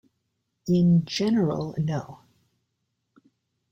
In general, no.